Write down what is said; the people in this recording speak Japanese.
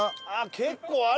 結構あるね。